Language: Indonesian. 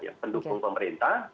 yang pendukung pemerintah